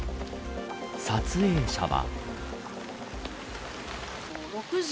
撮影者は。